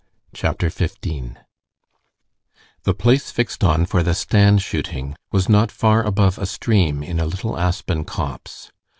Chapter 15 The place fixed on for the stand shooting was not far above a stream in a little aspen copse.